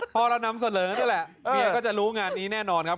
พอเรานำเสนอนี่แหละเมียก็จะรู้งานนี้แน่นอนครับ